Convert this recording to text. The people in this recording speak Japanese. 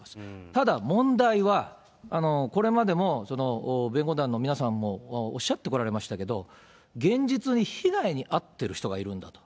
ただ、問題は、これまでも弁護団の皆さんもおっしゃってこられましたけど、現実に被害に遭ってる人がいるんだと。